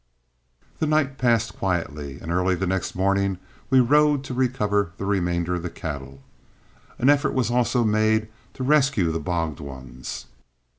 The night passed quietly, and early the next morning we rode to recover the remainder of the cattle. An effort was also made to rescue the bogged ones.